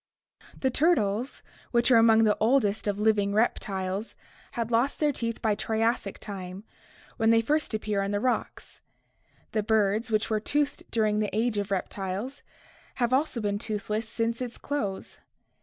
The turtles, which are among the oldest of living reptiles, had lost their teeth by Triassic time, when they first appear in the rocks; the birds, which were toothed during the Age of Reptiles, have also been toothless since its close.